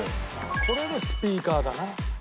「これでスピーカーだな」